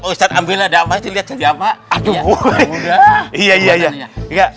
ustadz ambilnya lihat jadi apa